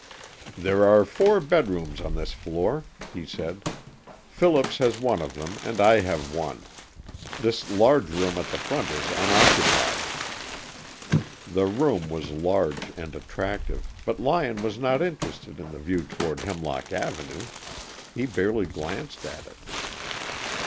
"There are four bedrooms on this floor," he said. "Phillips has one of them, and I have one. This large room at the front is unoccupied." The room was large and attractive, but Lyon was not interested in the view toward Hemlock Avenue! He barely glanced at it.